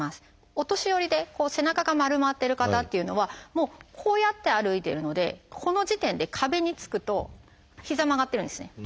お年寄りで背中が丸まってる方っていうのはこうやって歩いてるのでこの時点で壁につくと膝曲がってるんですね。